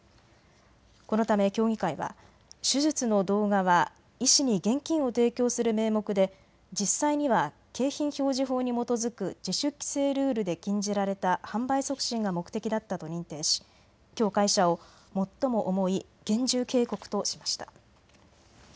このため協議会は手術の動画は医師に現金を提供する名目で実際には景品表示法に基づく自主規制ルールで禁じられた販売促進が目的だったと認定しきょう会社を最も重い厳重警告としました。